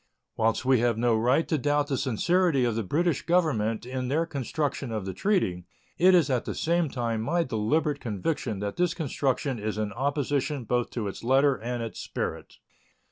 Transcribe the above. Whilst we have no right to doubt the sincerity of the British Government in their construction of the treaty, it is at the same time my deliberate conviction that this construction is in opposition both to its letter and its spirit.